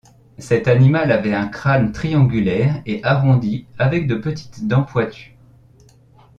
Cet animal avait un crâne triangulaire et arrondi avec de petites dents pointues.